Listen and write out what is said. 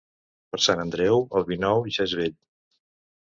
Per Sant Andreu, el vi nou ja és vell.